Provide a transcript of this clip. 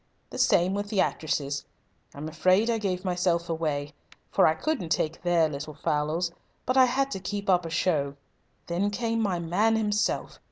The same with the actresses. I'm afraid I gave myself away, for I couldn't take their little fal lals, but I had to keep up a show. Then came my man himself.